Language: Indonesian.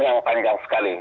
dtn yang panjang sekali